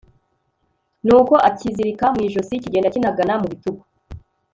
nuko akizirika mu ijosi, kigenda kinagana mu bitugu